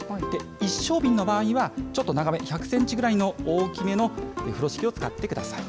一升瓶の場合には、ちょっと長め、１００センチくらいの大きめの風呂敷を使ってください。